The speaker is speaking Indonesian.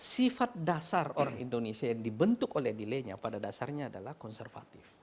sifat dasar orang indonesia yang dibentuk oleh delay nya pada dasarnya adalah konservatif